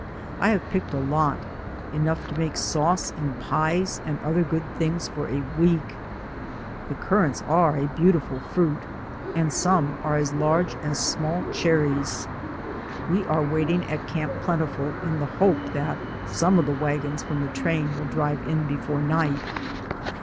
We have picked a lot, enough to make sauce and pies and other good things for a week. The currants are a beautiful fruit, and some are as large as small cher ries. We are waiting at Camp Plentiful, in the hope that some of the wagons from the train will drive in before night.